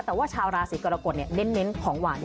แต่ว่าชาวราศีกรกฎเน้นของหวาน